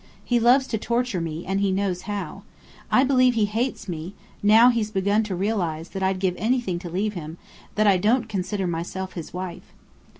He loves to torture me and he knows how. I believe he hates me, now he's begun to realize that I'd give anything to leave him, that I don't consider myself his wife."